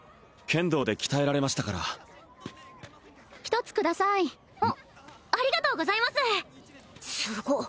剣道で鍛えられましたから一つくださいあありがとうございますすごっ